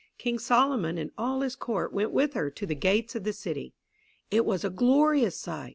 King Solomon and all his court went with her to the gates of the city. It was a glorious sight.